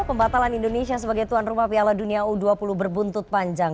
pembatalan indonesia sebagai tuan rumah piala dunia u dua puluh berbuntut panjang